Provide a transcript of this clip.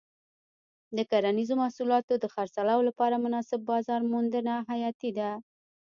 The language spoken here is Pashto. د کرنیزو محصولاتو د خرڅلاو لپاره مناسب بازار موندنه حیاتي ده.